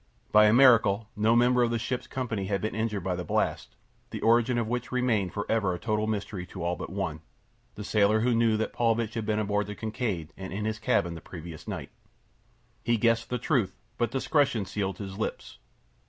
By a miracle no member of the ship's company had been injured by the blast, the origin of which remained for ever a total mystery to all but one—the sailor who knew that Paulvitch had been aboard the Kincaid and in his cabin the previous night. He guessed the truth; but discretion sealed his lips.